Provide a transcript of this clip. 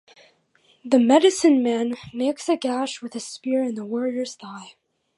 The medicine-man makes a gash with a spear in the warrior's thigh.